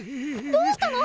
どうしたの？